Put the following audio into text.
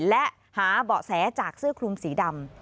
และหาเบาะแสจากเสื้อคลุมสีดำ